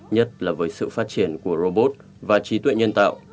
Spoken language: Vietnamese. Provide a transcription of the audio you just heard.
nhất là với sự phát triển của robot và trí tuệ nhân tạo